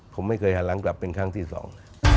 ผมไม่เคยหันหลังกลับเป็นครั้งที่สอง